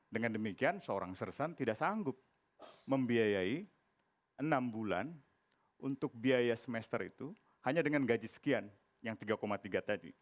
dengan demikian seorang sersan tidak sanggup membiayai enam bulan untuk biaya semester itu hanya dengan gaji sekian yang tiga tiga tadi